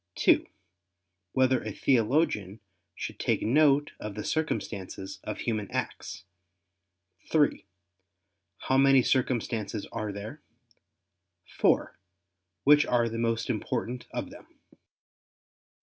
(2) Whether a theologian should take note of the circumstances of human acts? (3) How many circumstances are there? (4) Which are the most important of them?